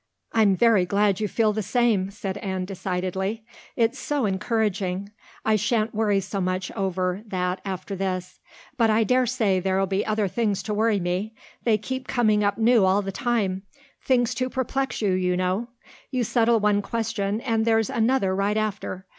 "I'm very glad you feel the same," said Anne decidedly. "It's so encouraging. I shan't worry so much over that after this. But I dare say there'll be other things to worry me. They keep coming up new all the time things to perplex you, you know. You settle one question and there's another right after.